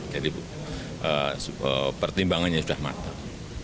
jadi pertimbangannya sudah matang